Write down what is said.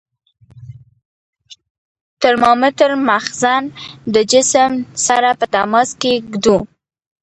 د ترمامتر مخزن د جسم سره په تماس کې ږدو.